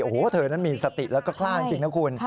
โอ้โหเธอนั้นมีสติแล้วก็กล้าจริงนะคุณ